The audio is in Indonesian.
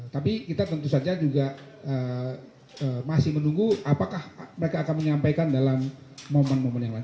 tapi kita tentu saja juga masih menunggu apakah mereka akan menyampaikan dalam momen momen yang lain